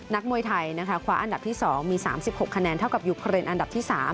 มวยไทยนะคะคว้าอันดับที่๒มี๓๖คะแนนเท่ากับยูเครนอันดับที่๓